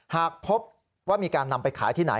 หากพบว่ามีการนำไปขายที่ไหน